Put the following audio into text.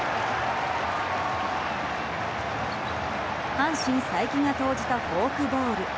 阪神、才木が投じたフォークボール。